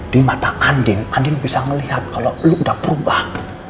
di mata andien andien bisa melihat kalau lo udah berubah